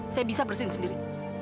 saya bisa bersih sendiri